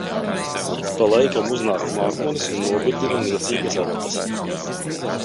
Ik pa laikam uznāk mākonis un nobirdina niecīgas adatas.